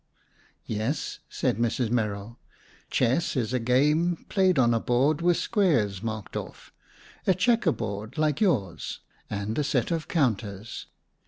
"Yes," said Mrs. Merrill. "Chess is a game, played on a board with squares marked off,—a checker board, like yours,—and a set of counters.